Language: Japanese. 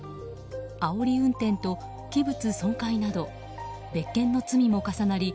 あおり運転と器物損壊など別件の罪も重なり